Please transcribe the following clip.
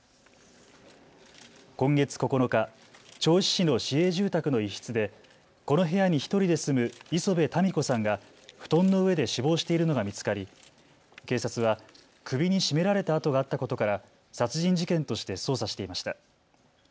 今月９日、銚子市の市営住宅の一室でこの部屋に１人で住む礒邊たみ子さんが布団の上で死亡しているのが見つかり、警察は首に絞められた痕があったことから殺人事件として捜査していました。